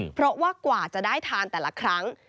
เพราะว่ากว่าจะได้ทานแต่ละครั้ง